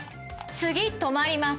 次止まります。